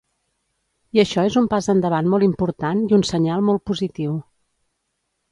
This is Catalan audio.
I això és un pas endavant molt important i un senyal molt positiu.